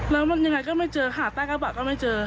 แล้วมันยังไงก็ไม่เจอค่ะใต้กระบะก็ไม่เจอ